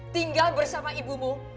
tinggal bersama ibumu